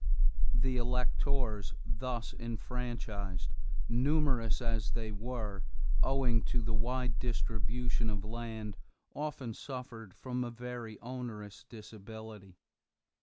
The electors thus enfranchised, numerous as they were, owing to the wide distribution of land, often suffered from a very onerous disability.